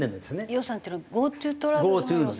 予算っていうのはＧｏＴｏトラベルの。